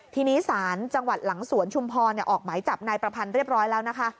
ทีนี้ศาลจังหวัดหลังสวนชุมพรออกหมายจับนายประพันธ์เรียบร้อยแล้วนะคะ